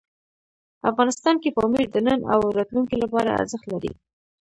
افغانستان کې پامیر د نن او راتلونکي لپاره ارزښت لري.